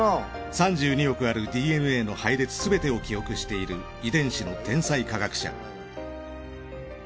３２億あるＤＮＡの配列すべてを記憶している遺伝子の天才科学者。